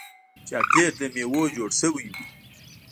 چاکلېټ له میوو جوړ شوی وي.